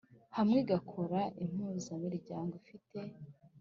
Hamwe igakora impuzamiryango ifite